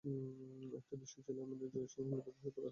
একটা দৃশ্য ছিল এমন, জয়সিংহের মৃতদেহের ওপর আছড়ে পড়ে শোকবিহ্বল রঘুপতি।